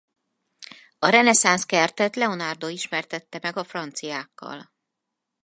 A reneszánsz kertet Leonardo ismertette meg a franciákkal.